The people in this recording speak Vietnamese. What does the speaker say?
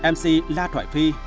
mc la thoại phi